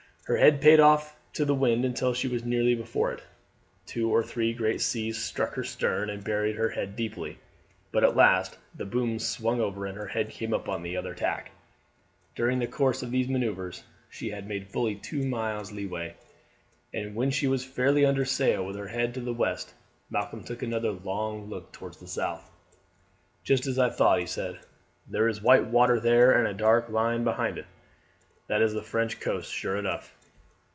Her head payed off to the wind until she was nearly before it. Two or three great seas struck her stern and buried her head deeply, but at last the boom swung over and her head came up on the other tack. During the course of these manoeuvres she had made fully two miles leeway, and when she was fairly under sail with her head to the west Malcolm took another long look towards the south. "Just as I thought," he said. "There is white water there and a dark line behind it. That is the French coast, sure enough."